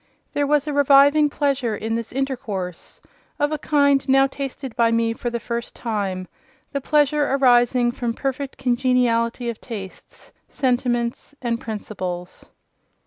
There was a reviving pleasure in this intercourse, of a kind now tasted by me for the first time—the pleasure arising from perfect congeniality of tastes, sentiments, and principles.